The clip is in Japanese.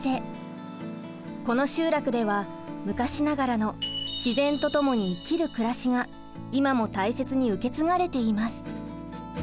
この集落では昔ながらの自然とともに生きる暮らしが今も大切に受け継がれています。